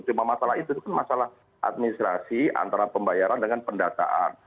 cuma masalah itu kan masalah administrasi antara pembayaran dengan pendataan